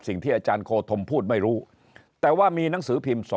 สิ่งที่อาจารย์โคธมพูดไม่รู้แต่ว่ามีหนังสือพิมพ์